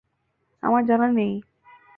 আমার জানা নেই।